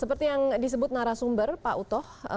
seperti yang disebut narasumber pak utoh